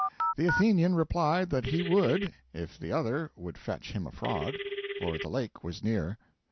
The Athenian replied that he would if the other would fetch him a frog, for the lake was near.